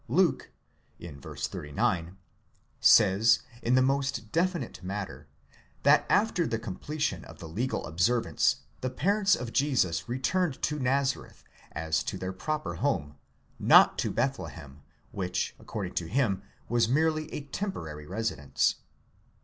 Luke (v. 39) says, in the most definite manner, that after the completion of the legal observance, the parents of Jesus returned to Nazareth, as to their proper home, not to Bethlehem, which, according to him, was merely a temporary residence.